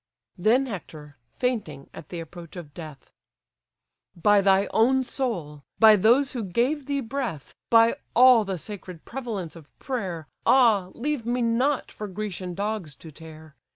Then Hector, fainting at the approach of death: "By thy own soul! by those who gave thee breath! By all the sacred prevalence of prayer; Ah, leave me not for Grecian dogs to tear!